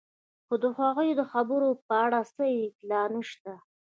خو د هغوی د خبرو په اړه څه اطلاع نشته.